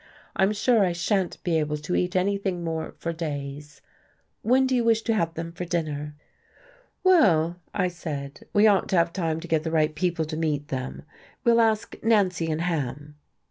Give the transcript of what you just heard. I'm sure I shan't be able to eat anything more for days. When do you wish to have them for dinner?" "Well," I said, "we ought to have time to get the right people to meet them. We'll ask Nancy and Ham."